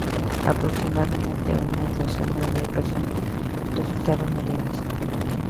Aproximadamente una docena de personas resultaron heridas.